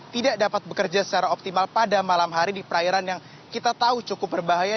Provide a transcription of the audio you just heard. tidak dapat bekerja secara optimal pada malam hari di perairan yang kita tahu cukup berbahaya